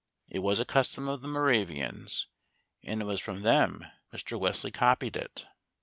It was a custom of the Moravians, and it was from them Mr. Wesley copied it.